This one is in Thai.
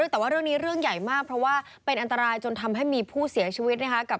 แต่ว่าเรื่องนี้เรื่องใหญ่มากเพราะว่าเป็นอันตรายจนทำให้มีผู้เสียชีวิตนะคะ